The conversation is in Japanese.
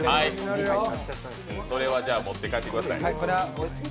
それは持って帰ってください。